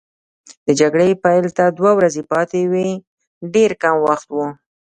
د جګړې پیل ته دوه ورځې پاتې وې، ډېر کم وخت وو.